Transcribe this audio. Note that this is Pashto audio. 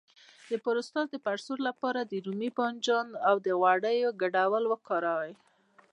د پروستات د پړسوب لپاره د رومي بانجان او غوړیو ګډول وکاروئ